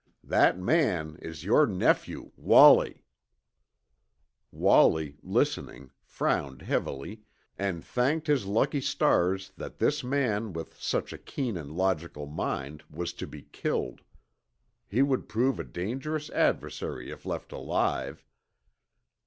That man is your nephew, Wallie!" Wallie, listening, frowned heavily, and thanked his lucky stars that this man with such a keen and logical mind was to be killed. He would prove a dangerous adversary if left alive.